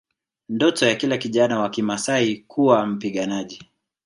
Ndoto ya kila kijana wa Kimaasai kuwa mpiganaji